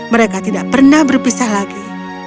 mereka tidak pernah berpisah lagi